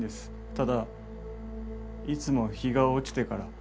ただいつも日が落ちてから。